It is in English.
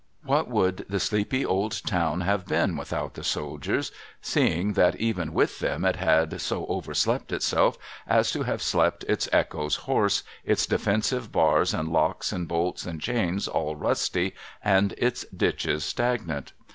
What would the sleepy old town have been without the soldiers, seeing that even with them it had so overslept itself as to have slept its echoes hoarse, its defensive bars and locks and bolts and chains all rusty, and its ditches stagnant